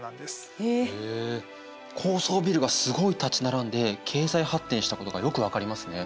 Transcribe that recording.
へえ高層ビルがすごい立ち並んで経済発展したことがよく分かりますね。